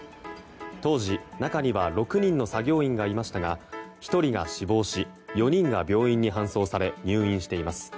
当時、中には６人の作業員がいましたが１人が死亡し４人が病院に搬送され入院しています。